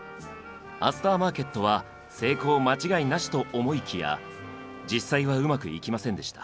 アスター・マーケットは成功間違いなしと思いきや実際はうまくいきませんでした。